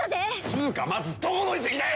つうかまずどこの遺跡だよ！？